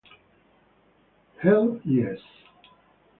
Hell Yes